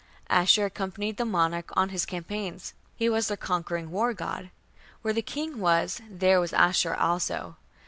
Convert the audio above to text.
Ashur accompanied the monarch on his campaigns: he was their conquering war god. Where the king was, there was Ashur also.